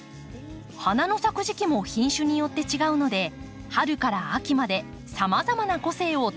花の咲く時期も品種によって違うので春から秋までさまざまな個性を楽しめます。